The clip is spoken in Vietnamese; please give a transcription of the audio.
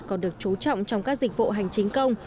còn được chú trọng trong các dịch vụ hành chính công